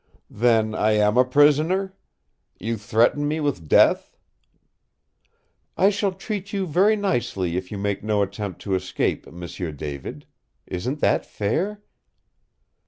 "Then I am a prisoner? You threaten me with death?" "I shall treat you very nicely if you make no attempt to escape, M'sieu David. Isn't that fair?"